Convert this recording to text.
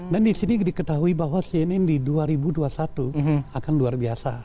dan di sini diketahui bahwa cnn di dua ribu dua puluh satu akan luar biasa